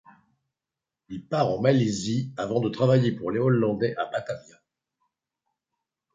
Il part en Malaisie avant de travailler pour les Hollandais à Batavia.